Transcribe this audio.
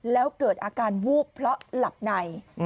แล้วเกิดอาการวูบเพราะหลับใน